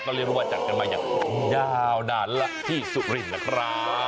เรียกได้ว่าจัดกันมาอย่างยาวนานล่ะที่สุรินทร์นะครับ